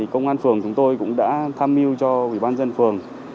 công an phường chúng tôi cũng đã tham mưu cho ủy ban dân phường